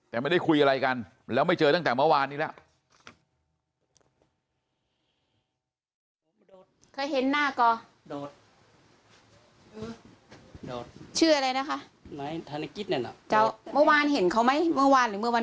แต่ไม่ได้คุยอะไรกันแล้วไม่เจอตั้งแต่เมื่อวานนี้แล้ว